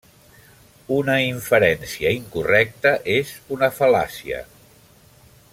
Una inferència incorrecta és una fal·làcia.